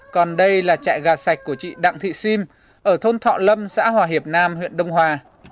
còn đây là trại gà sạch của chị đặng thị sim ở thôn thọ lâm xã hòa hiệp nam huyện đông hòa